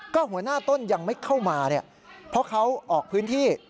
ก็หัวหน้าต้นยังไม่เข้ามาเนี่ยเพราะเขาออกพื้นที่